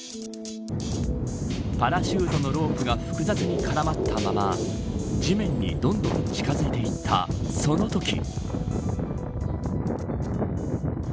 パラシュートのロープが複雑に絡まったまま地面に、どんどん近づいていったそのとき。